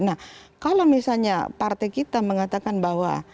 nah kalau misalnya partai kita mengatakan bahwa